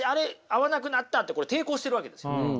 合わなくなったってこれ抵抗してるわけですよね。